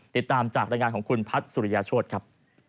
ติดตามจากรายงานของคุณพัฒน์สุริยาโชธครับ